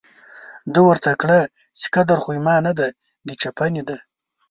ده ورته کړه چې قدر خو زما نه دی، د چپنې دی.